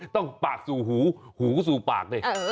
ต้องปากสู่หูหูสู่ปากดิ